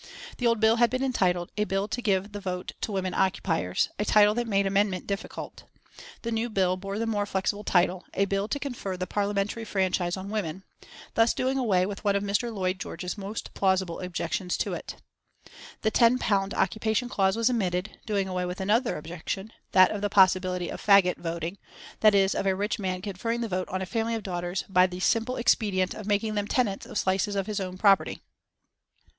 The old bill had been entitled: "A Bill to give the Vote to Women Occupiers," a title that made amendment difficult. The new bill bore the more flexible title, "A Bill to Confer the Parliamentary Franchise on Women," thus doing away with one of Mr. Lloyd George's most plausible objections to it. The £10 occupation clause was omitted, doing away with another objection, that of the possibility of "faggot voting," that is, of a rich man conferring the vote on a family of daughters by the simple expedient of making them tenants of slices of his own property.